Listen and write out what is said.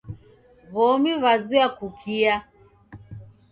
W'omi w'azoya kukia.